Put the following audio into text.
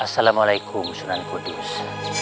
assalamualaikum sunan kudus